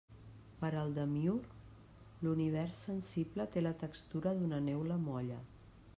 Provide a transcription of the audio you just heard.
Per al demiürg, l'univers sensible té la textura d'una neula molla.